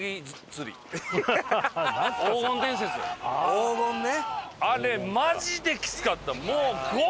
『黄金』ね。